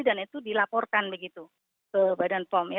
dan itu dilaporkan begitu ke badan pom ya